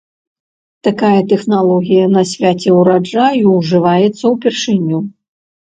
Такія тэхналогіі на свяце ўраджаю ўжываюцца ўпершыню.